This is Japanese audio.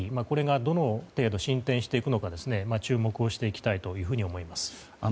これがどの程度進展していくのか注目をしていきたいと思います。